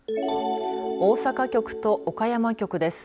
大阪局と岡山局です。